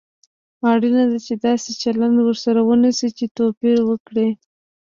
اړینه ده چې داسې چلند ورسره ونشي چې توپير وکړي.